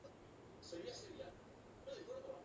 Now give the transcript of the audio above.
Joko posizioari dagokionez, ezker-hegala da.